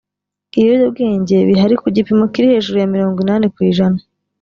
ibiyobyabwenge bihari ku gipimo kiri hejuru ya mirongo inani ku ijana